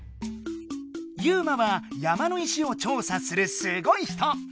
ユウマは山の石を調査するすごい人。